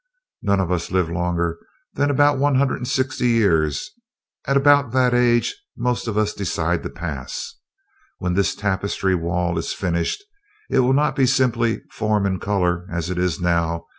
"No, none of us live longer than about one hundred and sixty years at about that age most of us decide to pass. When this tapestry wall is finished, it will not be simply form and color, as it is now.